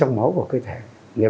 ra một cái pearl